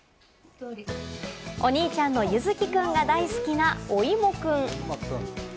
お兄ちゃんのゆづきくんが大好きな、おいもくん。